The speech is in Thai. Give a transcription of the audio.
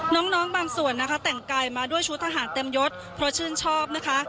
น้องบางส่วนนะคะแต่งกายมาด้วยชุดทหารเต็มยศเพราะชื่นชอบนะคะ